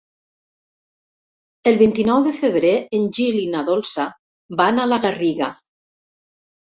El vint-i-nou de febrer en Gil i na Dolça van a la Garriga.